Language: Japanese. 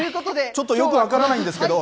ちょっとよく分からないんですけど。